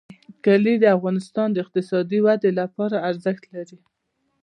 کلي د افغانستان د اقتصادي ودې لپاره ارزښت لري.